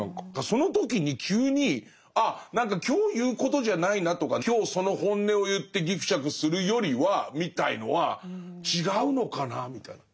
その時に急にああ何か今日言うことじゃないなとか今日その本音を言ってぎくしゃくするよりはみたいのは違うのかなみたいな。